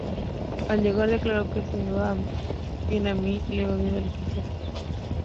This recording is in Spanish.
Al llegar declaró: “Si me va bien a mí, le va bien al equipo.